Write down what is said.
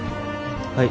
はい。